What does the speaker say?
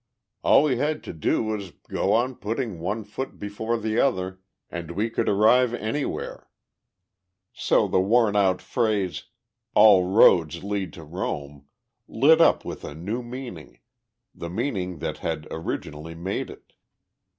All we had to do was to go on putting one foot before the other, and we could arrive anywhere. So the worn old phrase, "All roads lead to Rome," lit up with a new meaning, the meaning that had originally made it.